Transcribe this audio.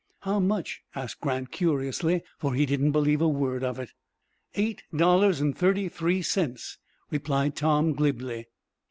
"How much?" asked Grant, curiously, for he didn't believe a word of it. "Eight dollars and thirty three cents," replied Tom, glibly.